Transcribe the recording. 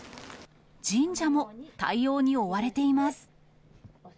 神社も対応に追われています。